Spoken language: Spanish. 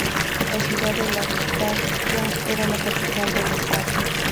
La ciudad de Latakia era la capital del estado.